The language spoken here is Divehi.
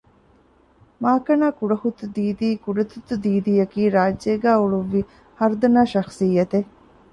މާކަނާ ކުޑަހުއްތު ދީދީ ކުޑަތުއްތު ދީދީ އަކީ ރާއްޖޭގައި އުޅުއްވި ހަރުދަނާ ޝަޚުޞިއްޔަތެއް